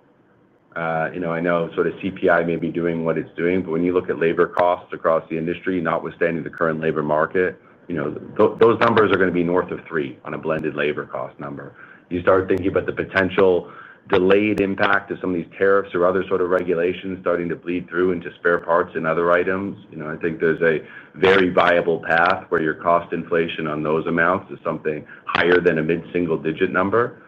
I know CPI may be doing what it's doing. But when you look at labor costs across the industry, notwithstanding the current labor market, those numbers are going to be north of 3% on a blended labor cost number. You start thinking about the potential delayed impact of some of these tariffs or other regulations starting to bleed through into spare parts and other items. I think there's a very viable path where your cost inflation on those amounts is something higher than a mid-single digit number.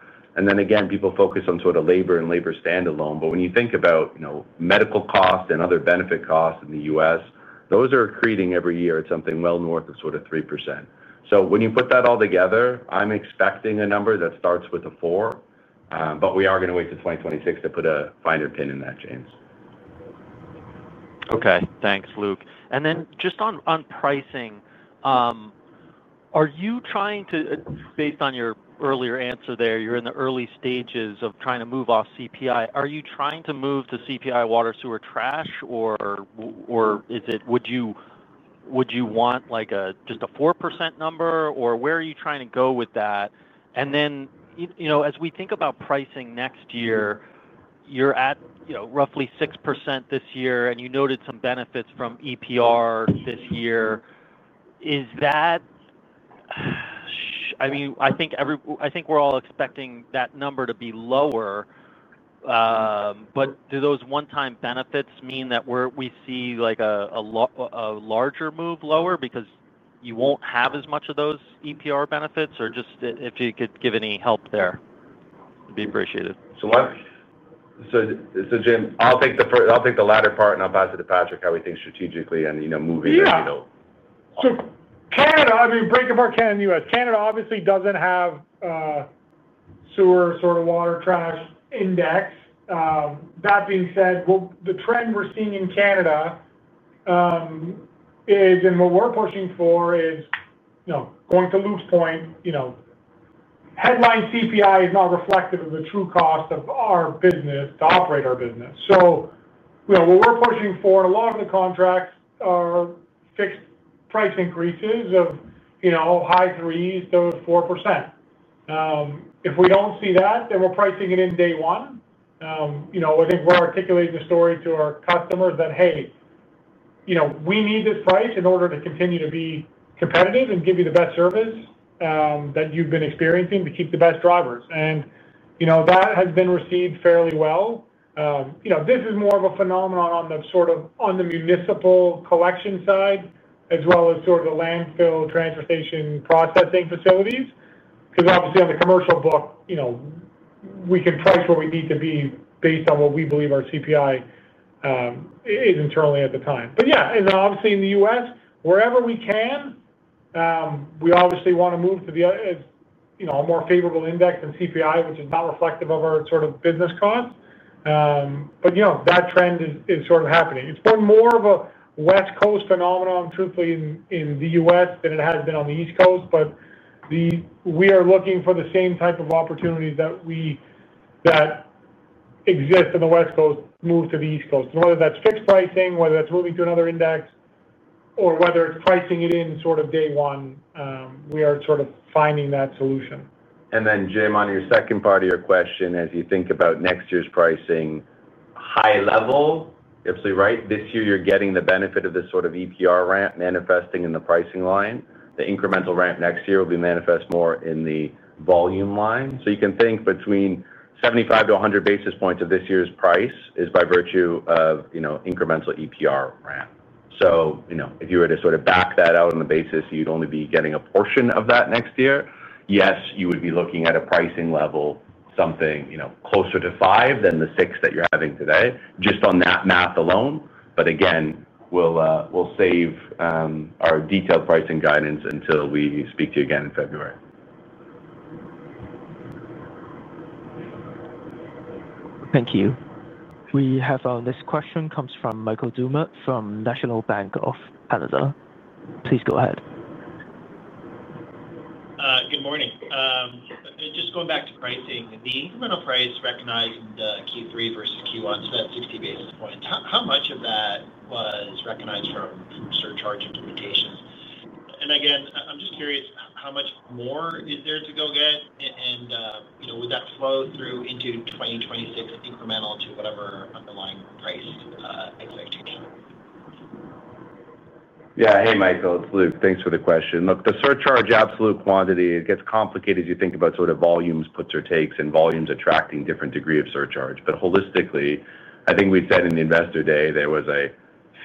People focus on labor and labor standalone. When you think about. Medical costs and other benefit costs in the U.S., those are accreting every year at something well north of 3%. When you put that all together, I'm expecting a number that starts with a 4%. We are going to wait till 2026 to put a finer pin in that, James. Okay. Thanks, Luke. Then just on pricing. Are you trying to, based on your earlier answer there, you're in the early stages of trying to move off CPI. Are you trying to move to CPI, water, sewer, trash, or would you want just a 4% number? Where are you trying to go with that? As we think about pricing next year, you're at roughly 6% this year, and you noted some benefits from EPR this year. Is that, I think we're all expecting that number to be lower, but do those one-time benefits mean that we see a larger move lower because you won't have as much of those EPR benefits? If you could give any help there, it'd be appreciated. James, I'll take the latter part, and I'll pass it to Patrick, how we think strategically and moving it. Yeah. Canada, breaking apart Canada and U.S., Canada obviously does not have sewer, water, trash index. That being said, the trend we are seeing in Canada, and what we are pushing for is, going to Luke's point, headline CPI is not reflective of the true cost of our business, to operate our business. What we are pushing for, a lot of the contracts are fixed price increases of high threes to 4%. If we do not see that, then we are pricing it in day one. I think we are articulating the story to our customers that, "Hey. We need this price in order to continue to be competitive and give you the best service that you have been experiencing to keep the best drivers." That has been received fairly well. This is more of a phenomenon on the municipal collection side as well as the landfill, transfer station, processing facilities. Because obviously, on the commercial book, we can price where we need to be based on what we believe our CPI is internally at the time. Yeah, and obviously, in the U.S., wherever we can, we obviously want to move to a more favorable index than CPI, which is not reflective of our business costs. That trend is happening. It's been more of a West Coast phenomenon, truthfully, in the U.S. than it has been on the East Coast. We are looking for the same type of opportunities that exist on the West Coast to move to the East Coast. Whether that's fixed pricing, whether that's moving to another index, or whether it's pricing it in day one, we are finding that solution. On your second part of your question, as you think about next year's pricing. High level, you have to say, right? This year, you're getting the benefit of this EPR ramp manifesting in the pricing line. The incremental ramp next year will be manifest more in the volume line. You can think between 75-100 basis points of this year's price is by virtue of incremental EPR ramp. If you were to back that out on the basis, you'd only be getting a portion of that next year. Yes, you would be looking at a pricing level something closer to 5% than the 6% that you're having today, just on that math alone. Again, we'll save our detailed pricing guidance until we speak to you again in February. Thank you. We have our next question comes from Michael Doumet from National Bank of Canada. Please go ahead. Good morning. Just going back to pricing, the incremental price recognized in Q3 versus Q1, so that's 60 basis points. How much of that was recognized from surcharge implementations? Again, I'm just curious, how much more is there to go get? Would that flow through into 2026 incremental to whatever underlying price expectation? Yeah. Hey, Michael. It's Luke. Thanks for the question. Look, the surcharge absolute quantity, it gets complicated as you think about volumes, puts or takes, and volumes attracting different degree of surcharge. Holistically, I think we said in the investor day there was a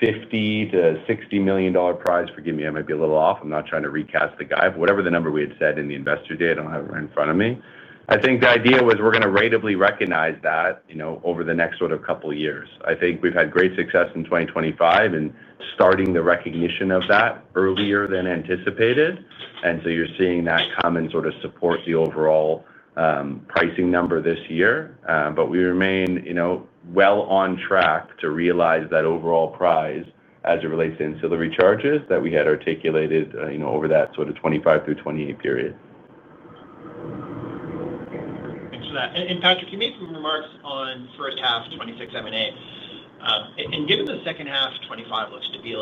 $50 million-$60 million prize. Forgive me, I might be a little off. I'm not trying to recast the guy. Whatever the number we had said in the investor day, I don't have it right in front of me. I think the idea was we're going to ratably recognize that over the next couple of years. I think we've had great success in 2025 in starting the recognition of that earlier than anticipated. You are seeing that come and support the overall pricing number this year. We remain. On track to realize that overall prize as it relates to ancillary charges that we had articulated over that 2025 through 2028 period. Patrick, can you make some remarks on first half 2026 M&A? Given the second half 2025 looks to be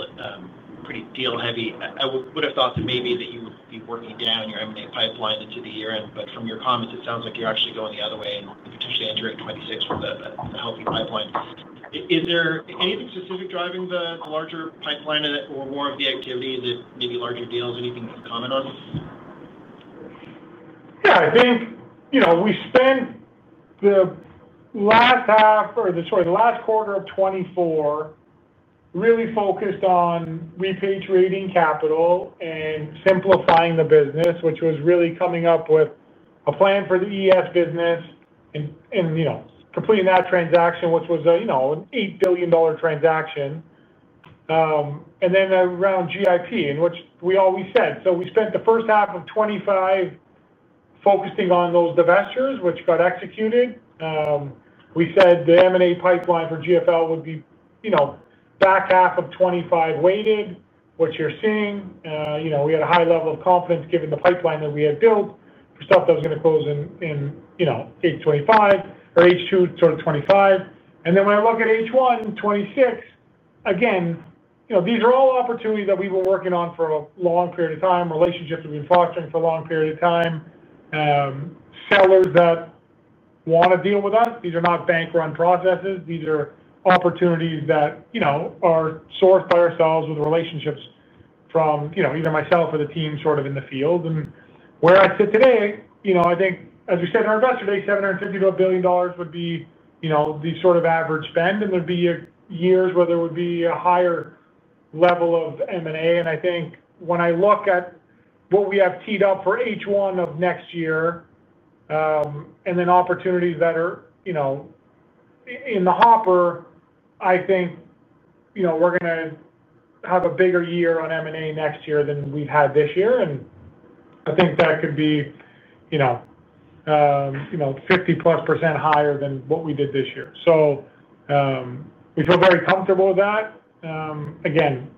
pretty deal heavy, I would have thought that maybe you would be working down your M&A pipeline into the year end. From your comments, it sounds like you're actually going the other way and potentially entering 2026 with a healthy pipeline. Is there anything specific driving the larger pipeline or more of the activity that maybe larger deals? Anything you can comment on? Yeah. I think we spent the last half or sorry, the last quarter of 2024 really focused on repatriating capital and simplifying the business, which was really coming up with a plan for the ES business and completing that transaction, which was an $8 billion transaction. Around GIP, in which we always said, we spent the first half of 2025 focusing on those divestitures, which got executed. We said the M&A pipeline for GFL would be back half of 2025 weighted, which you're seeing. We had a high level of confidence given the pipeline that we had built for stuff that was going to close in H2 2025. When I look at H1 2026, again, these are all opportunities that we've been working on for a long period of time, relationships we've been fostering for a long period of time, sellers that. Want to deal with us. These are not bank-run processes. These are opportunities that are sourced by ourselves with relationships from either myself or the team in the field. Where I sit today, I think, as we said in our investor day, $750 billion would be the average spend. There would be years where there would be a higher level of M&A. I think when I look at what we have teed up for H1 of next year, and then opportunities that are in the hopper, I think we are going to have a bigger year on M&A next year than we have had this year. I think that could be 50%+ higher than what we did this year. We feel very comfortable with that. Again,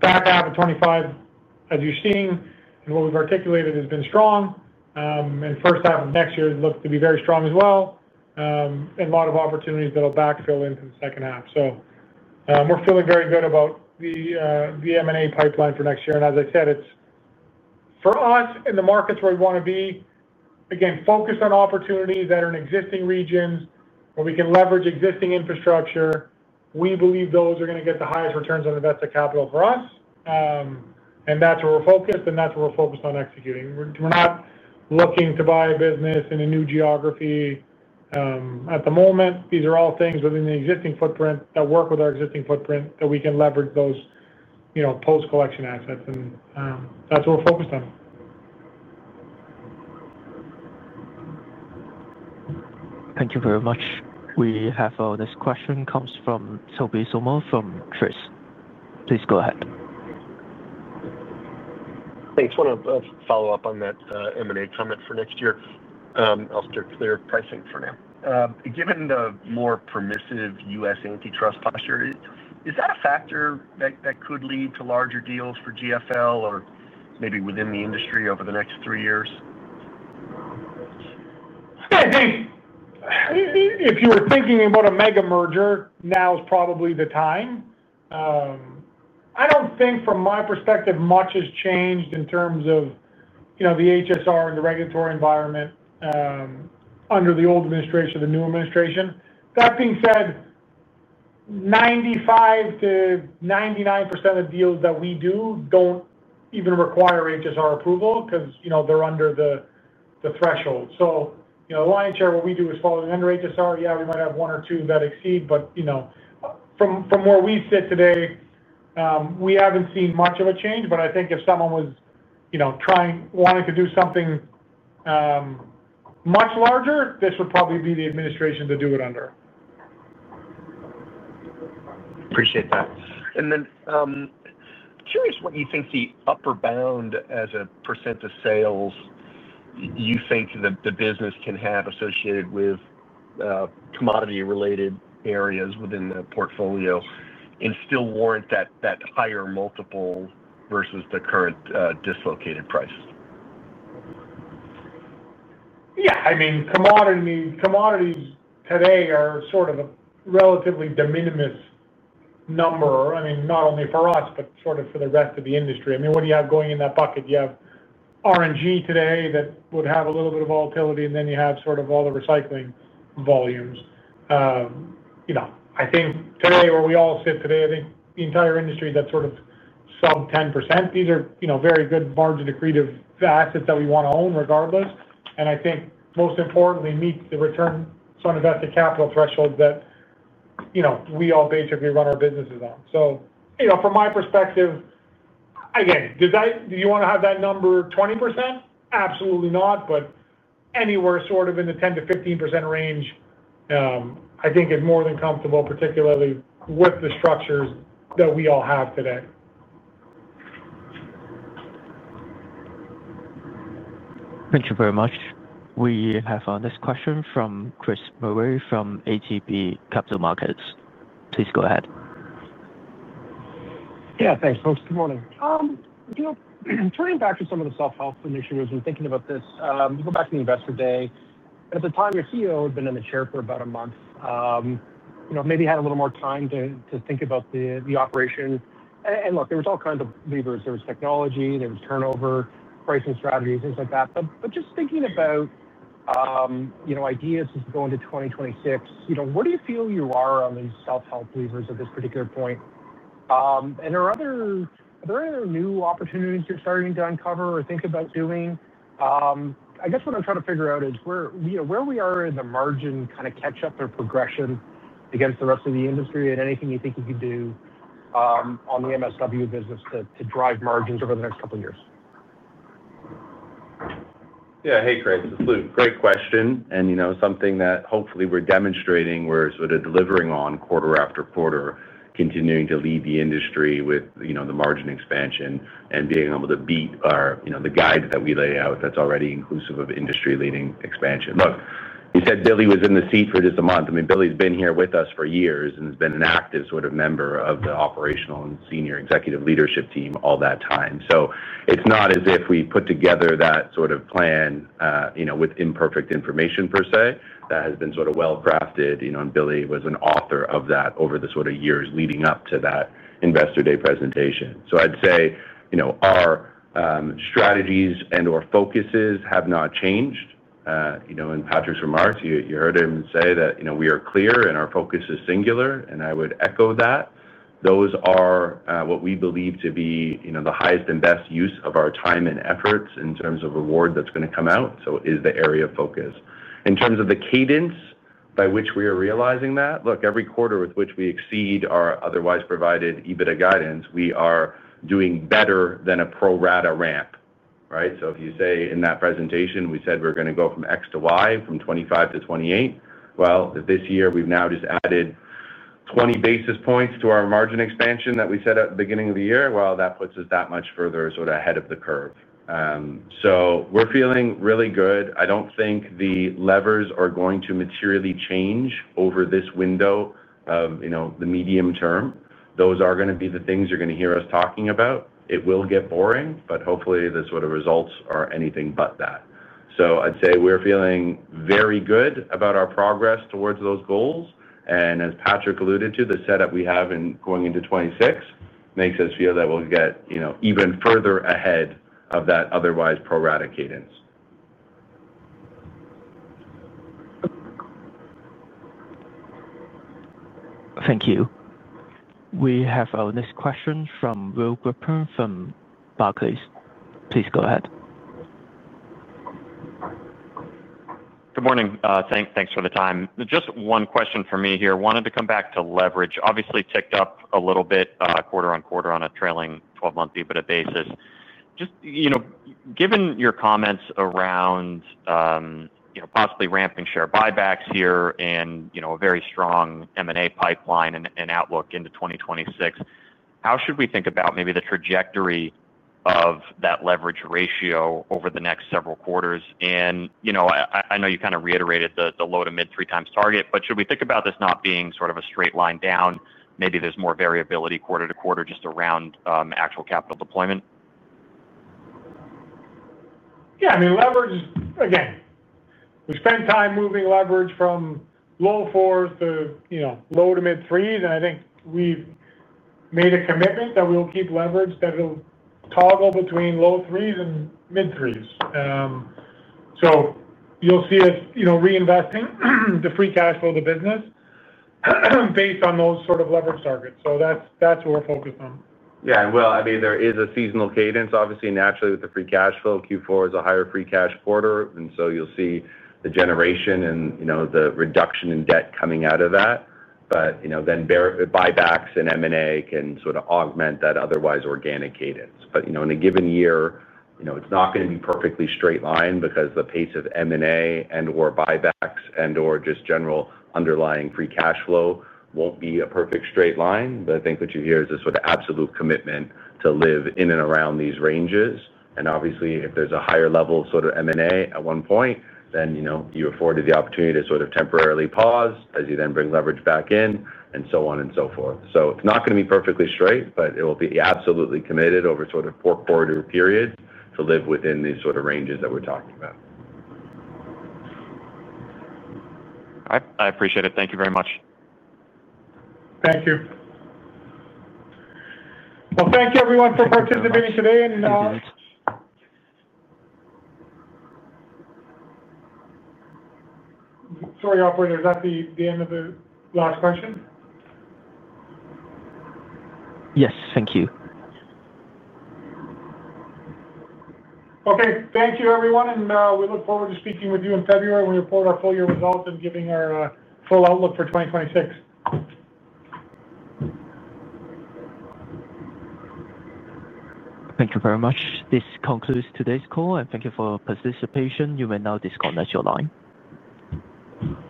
back half of 2025, as you are seeing and what we have articulated, has been strong. First half of next year looks to be very strong as well. A lot of opportunities will backfill into the second half. We are feeling very good about the M&A pipeline for next year. As I said, for us in the markets where we want to be, again, focused on opportunities that are in existing regions where we can leverage existing infrastructure, we believe those are going to get the highest returns on invested capital for us. That is where we are focused. That is where we are focused on executing. We are not looking to buy a business in a new geography at the moment. These are all things within the existing footprint that work with our existing footprint that we can leverage, those post-collection assets. That is what we are focused on. Thank you very much. We have our next question comes from Tobey Sommer from Truist. Please go ahead. Thanks. I want to follow up on that M&A comment for next year. I'll steer clear of pricing for now. Given the more permissive U.S. antitrust posture, is that a factor that could lead to larger deals for GFL or maybe within the industry over the next three years? If you were thinking about a mega merger, now is probably the time. I do not think, from my perspective, much has changed in terms of the HSR and the regulatory environment. Under the old administration and the new administration, that being said, 95%-99% of the deals that we do do not even require HSR approval because they are under the threshold. So the line of chair, what we do is follow the vendor HSR. Yeah, we might have one or two that exceed, but from where we sit today, we have not seen much of a change. I think if someone was wanting to do something much larger, this would probably be the administration to do it under. Appreciate that. I am curious what you think the upper bound as a percent of sales you think the business can have associated with commodity-related areas within the portfolio and still warrant that higher multiple versus the current dislocated price? Yeah. I mean, commodities today are a relatively de minimis number. I mean, not only for us, but for the rest of the industry. I mean, what do you have going in that bucket? You have RNG today that would have a little bit of volatility. And then you have all the recycling volumes. I think today, where we all sit today, I think the entire industry, that's sub 10%. These are very good margin-accretive assets that we want to own regardless. I think, most importantly, meet the returns on invested capital threshold that we all basically run our businesses on. From my perspective, again, do you want to have that number 20%? Absolutely not. But anywhere in the 10%-15% range, I think, is more than comfortable, particularly with the structures that we all have today. Thank you very much. We have our next question from Chris Murray from ATB Capital Markets. Please go ahead. Yeah. Thanks, folks. Good morning. Turning back to some of the self-help initiatives and thinking about this, going back to the investor day, at the time you're here, you've been in the chair for about a month. Maybe had a little more time to think about the operation. Look, there were all kinds of levers. There was technology. There was turnover, pricing strategies, things like that. Just thinking about ideas as we go into 2026, where do you feel you are on these self-help levers at this particular point? Are there any new opportunities you're starting to uncover or think about doing? I guess what I'm trying to figure out is where we are in the margin catch-up or progression against the rest of the industry and anything you think you can do on the MSW business to drive margins over the next couple of years? Yeah. Hey, Chris. It's Luke. Great question. And something that hopefully we're demonstrating where we're delivering on quarter after quarter, continuing to lead the industry with the margin expansion and being able to beat the guide that we lay out that's already inclusive of industry-leading expansion. Look, you said Billy was in the seat for just a month. I mean, Billy's been here with us for years and has been an active member of the operational and senior executive leadership team all that time. It's not as if we put together that plan with imperfect information per se. That has been well-crafted. And Billy was an author of that over the years leading up to that investor day presentation. I'd say our strategies and/or focuses have not changed. In Patrick's remarks, you heard him say that we are clear and our focus is singular. I would echo that. Those are what we believe to be the highest and best use of our time and efforts in terms of reward that is going to come out. It is the area of focus. In terms of the cadence by which we are realizing that, look, every quarter with which we exceed our otherwise provided EBITDA guidance, we are doing better than a pro rata ramp. If you say in that presentation, we said we are going to go from X to Y, from 25-28, this year, we have now just added 20 basis points to our margin expansion that we set at the beginning of the year. That puts us that much further ahead of the curve. We are feeling really good. I do not think the levers are going to materially change over this window of the medium term. Those are going to be the things you're going to hear us talking about. It will get boring. Hopefully, the results are anything but that. I'd say we're feeling very good about our progress towards those goals. As Patrick alluded to, the setup we have in going into 2026 makes us feel that we'll get even further ahead of that otherwise pro rata cadence. Thank you. We have our next question from Will Grippin from Barclays. Please go ahead. Good morning. Thanks for the time. Just one question for me here. Wanted to come back to leverage. Obviously, ticked up a little bit quarter on quarter on a trailing 12-month EBITDA basis. Just given your comments around possibly ramping share buybacks here and a very strong M&A pipeline and outlook into 2026, how should we think about maybe the trajectory of that leverage ratio over the next several quarters? I know you kind of reiterated the low to mid three times target. Should we think about this not being a straight line down and maybe there's more variability quarter to quarter just around actual capital deployment? Yeah. I mean, leverage, again. We spend time moving leverage from low fours to low to mid threes. I think we've made a commitment that we will keep leverage, that it'll toggle between low threes and mid threes. You'll see us reinvesting the free cash flow of the business based on those leverage targets. That's what we're focused on. Yeah. I mean, there is a seasonal cadence. Obviously, naturally, with the free cash flow, Q4 is a higher free cash quarter. You will see the generation and the reduction in debt coming out of that. Buybacks and M&A can augment that otherwise organic cadence. In a given year, it is not going to be a perfectly straight line because the pace of M&A and/or buybacks and/or just general underlying free cash flow will not be a perfect straight line. I think what you hear is this absolute commitment to live in and around these ranges. Obviously, if there is a higher level of M&A at one point, then you are afforded the opportunity to temporarily pause as you then bring leverage back in and so on and so forth. It is not going to be perfectly straight. We will be absolutely committed over four quarter periods to live within these ranges that we're talking about. I appreciate it. Thank you very much. Thank you. Thank you, everyone, for participating today. Sorry, operator, is that the end of the last question? Yes. Thank you. Okay. Thank you, everyone. We look forward to speaking with you in February when we report our full year results and giving our full outlook for 2026. Thank you very much. This concludes today's call. Thank you for your participation. You may now disconnect your line.